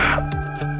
ya kan berpengibir